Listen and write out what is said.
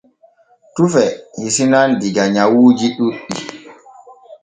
Tufe hisinan diga nyawuuji ɗuuɗɗi.